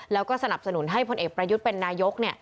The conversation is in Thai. แล้วก็สนับสนุนให้พลเอกประยุทธ์เป็นนายก